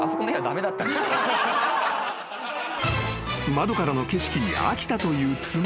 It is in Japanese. ［窓からの景色に飽きたという妻］